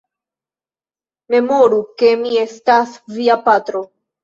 Memoru, ke mi estas via patro!